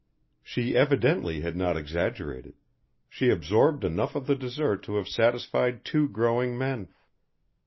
She evidently had not exaggerated. She absorbed enough of the dessert to have satisfied two growing men.